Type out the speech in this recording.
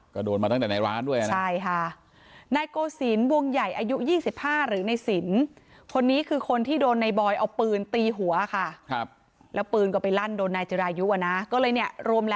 ก็โดนมาตั้งใดในะร้านด้วย